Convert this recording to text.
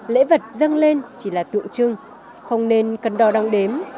lễ vật dâng lên chỉ là tượng trưng không nên cần đò đăng đếm